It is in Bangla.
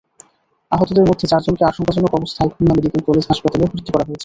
আহতদের মধ্যে চারজনকে আশঙ্কাজনক অবস্থায় খুলনা মেডিকেল কলেজ হাসপাতালে ভর্তি করা হয়েছে।